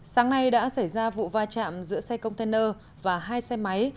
sáng nay đã xảy ra vụ va chạm giữa xe container và hai xe máy